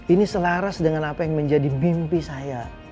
ini selaras dengan apa yang menjadi mimpi saya